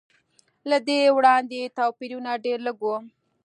له دې وړاندې توپیرونه ډېر لږ و.